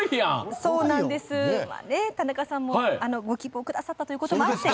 田中さんもご希望くださったということもあって。